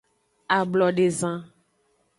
Ablodezan.